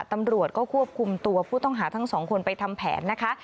ตำรวจก็ควบคุมตัวผู้ต้องหาทั้งสองคนไปทำแผนนะคะ